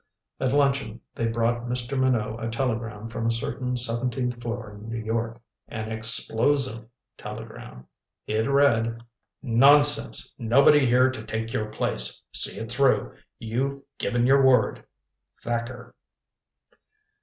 At luncheon they brought Mr. Minot a telegram from a certain seventeenth floor in New York. An explosive telegram. It read: "Nonsense nobody here to take your place, see it through, you've given your word. "THACKER."